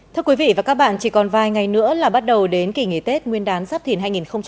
thưa quý vị và các bạn chỉ còn vài ngày nữa là bắt đầu đến kỷ nghỉ tết nguyên đán giáp thìn hai nghìn hai mươi bốn